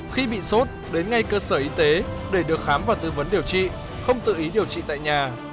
khi bị sốt đến ngay cơ sở y tế để được khám và tư vấn điều trị không tự ý điều trị tại nhà